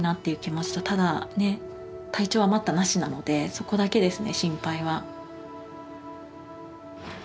そこだけですね心配は。